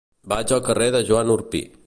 Vaig al carrer de Joan Orpí.